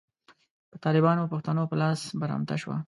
په طالبانو او پښتنو په لاس برمته شوه.